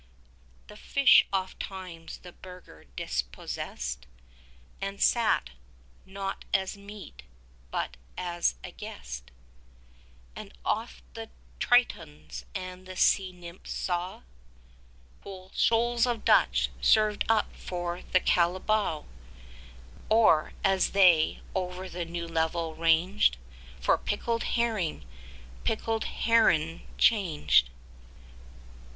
The fish oft times the burgher dispossessed, And sat, not as a meat, but as a guest; 30 And oft the Tritons, and the sea nymphs, saw Whole shoals of Dutch served up for Cabillau; Or, as they over the new level ranged, For pickled herring, pickled heeren changed.